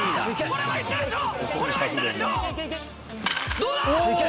どうだ！